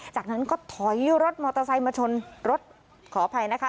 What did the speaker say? จากนั้นก็ถอยรถมอเตอร์ไซค์มาชนรถขออภัยนะคะ